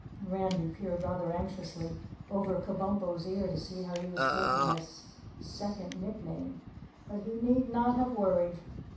Randy peered rather anxiously over Kabumpo's ear to see how he was taking this second nickname, but he need not have worried.